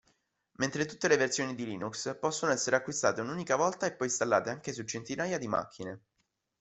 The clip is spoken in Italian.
Mentre tutte le versioni di Linux possono essere acquistate un'unica volta e poi installate anche su centinaia di macchine.